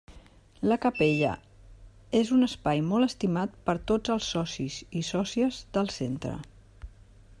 La Capella és un espai molt estimat per tots els socis i sòcies del Centre.